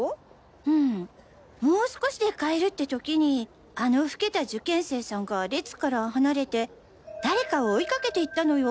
うんもう少しで買えるって時にあの老けた受験生さんが列から離れて誰かを追いかけて行ったのよ。